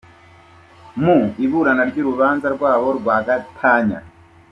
Mu iburana ry’urubanza rwabo rwa gatanya